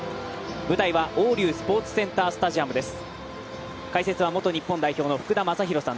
舞台は黄龍スポーツセンタースタジアムです。